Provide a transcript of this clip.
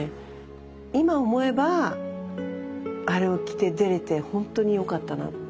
今思えばあれを着て出れてほんとによかったなって。